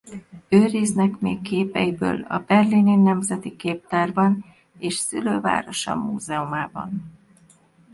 Őriznek még képeiből a berlini nemzeti képtárban és szülővárosa múzeumában.